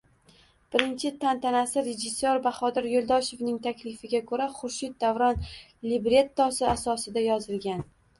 birinchi tantanasi rejissyor Bahodir Yo’ldoshevning taklifiga ko’ra Xurshid Davron librettosi asosida yozilgan